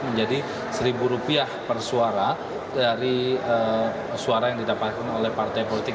menjadi rp satu per suara dari suara yang didapatkan oleh partai politik